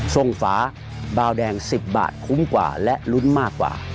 ฝาบาวแดง๑๐บาทคุ้มกว่าและลุ้นมากกว่า